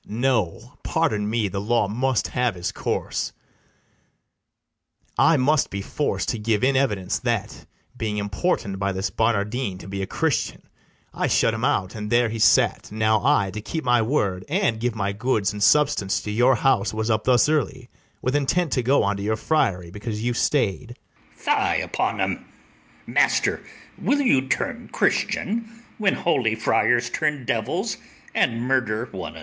BARABAS. No, pardon me; the law must have his course: I must be forc'd to give in evidence, That, being importun'd by this Barnardine To be a Christian, I shut him out, And there he sate: now I, to keep my word, And give my goods and substance to your house, Was up thus early, with intent to go Unto your friary, because you stay'd. ITHAMORE. Fie upon 'em! master, will you turn Christian, when holy friars turn devils and murder one another?